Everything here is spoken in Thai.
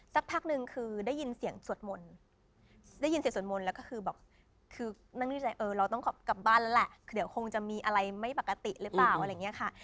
สักพักนึงคือได้ยินเสียงสวดมนต์ได้ยินเสียงสวดมนต์แล้วก็คือแบบคือนั่งในใจเออเราต้องกลับบ้านแล้วแหละเดี๋ยวคงจะมีอะไรไม่ปกติหรือเปล่าอะไรอย่างนี้ค่ะ